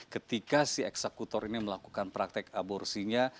ketika si eksekutor ini melakukan praktek aborsinya